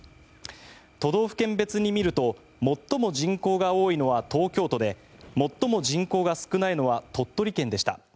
都道府県別に見ると最も人口が多いのは東京都で、最も人口が少ないのは鳥取県でした。